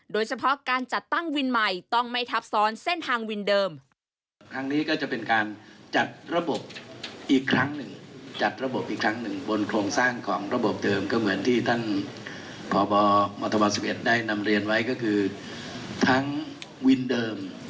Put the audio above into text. โดยเฉพาะการจัดตั้งวินใหม่ต้องไม่ทับซ้อนเส้นทางวินเดิม